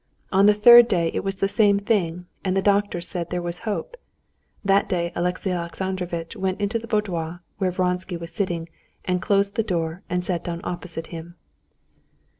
On the third day it was the same thing, and the doctors said there was hope. That day Alexey Alexandrovitch went into the boudoir where Vronsky was sitting, and closing the door sat down opposite him.